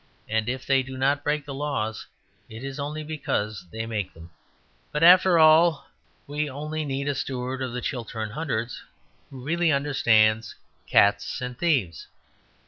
And if they do not break the laws, it is only because they make them. But after all we only need a Steward of the Chiltern Hundreds who really understands cats and thieves.